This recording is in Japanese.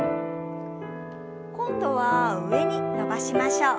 今度は上に伸ばしましょう。